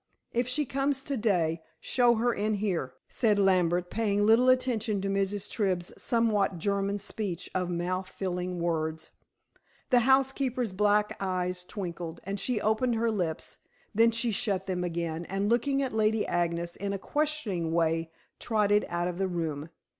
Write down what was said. "If she comes to day, show her in here," said Lambert, paying little attention to Mrs. Tribb's somewhat German speech of mouth filling words. The housekeeper's black eyes twinkled, and she opened her lips, then she shut them again, and looking at Lady Agnes in a questioning way, trotted out of the room.